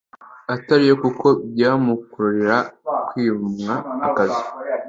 atari yo kuko byamukururira kwimwa akazi